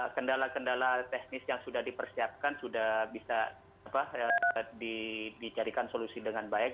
kendala kendala teknis yang sudah dipersiapkan sudah bisa dicarikan solusi dengan baik